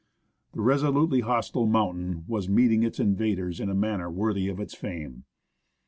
The reso lutely hostile mountain was meeting its invaders in a manner worthy of its fame.